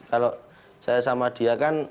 kalau saya sama dia kan